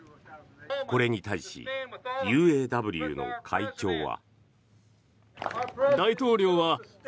これに対し、ＵＡＷの会長は。